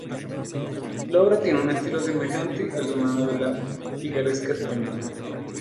La obra tiene un estilo semejante al de una novela picaresca española.